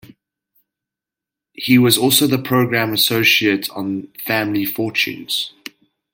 He was also the Programme Associate on "Family Fortunes".